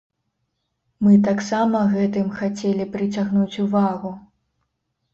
Мы таксама гэтым хацелі прыцягнуць увагу.